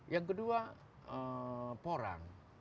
yang kedua porang